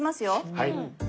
はい。